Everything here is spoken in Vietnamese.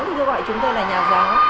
thì tôi gọi chúng tôi là nhà giáo